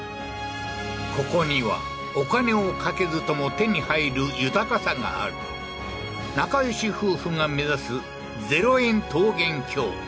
ここにはお金をかけずとも手に入る豊かさがある仲よし夫婦が目指す０円桃源郷